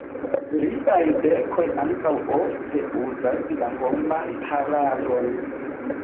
Liaj verkoj ankaŭ ofte uzas la homan hararon.